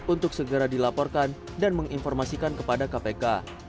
untuk segera dilaporkan dan menginformasikan kepada kpk